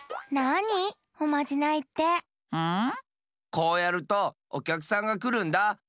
こうやるとおきゃくさんがくるんだ。